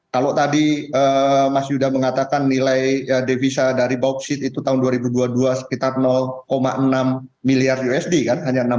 kalau tadi mas yuda mengatakan nilai devisa dari bauksit itu tahun dua ribu dua puluh dua sekitar enam miliar usd kan